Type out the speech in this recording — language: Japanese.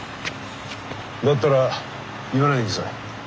だったら言わないでください。